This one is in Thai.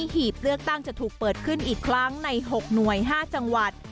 หีบเลือกตั้งจะถูกเปิดขึ้นอีกครั้งใน๖หน่วย๕จังหวัด